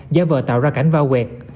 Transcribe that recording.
giả vờ tạo ra cảnh vao huệt